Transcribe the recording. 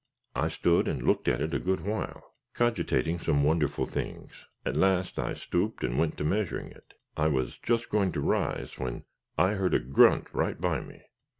I stood and looked at it a good while, cogitating some wonderful things. At last I stooped and went to measuring it. I was just going to rise, when I heard a grunt right by me.